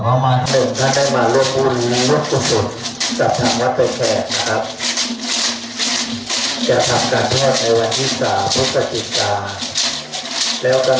ท่านผมท่านได้มาร่วมบุญรักษูนย์กับฐังวัตตแฟนนะครับ